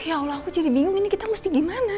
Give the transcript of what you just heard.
hai ya allah aku jadi bingung ini kita mesti gimana